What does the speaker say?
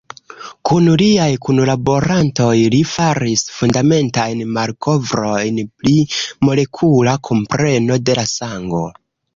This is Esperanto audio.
Kun liaj kunlaborantoj li faris fundamentajn malkovrojn pri molekula kompreno de la sango.